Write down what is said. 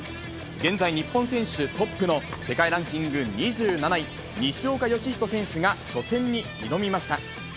現在、日本選手トップの世界ランキング２７位、西岡良仁選手が初戦に挑みました。